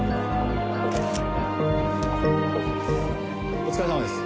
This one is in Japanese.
お疲れさまです。